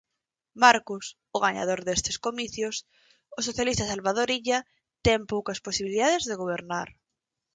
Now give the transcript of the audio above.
Marcos, o gañador destes comicios, o socialista Salvador Illa, ten poucas posibilidades de gobernar.